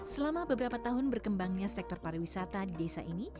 selama beberapa tahun berkembangnya sektor pariwisata di desa ini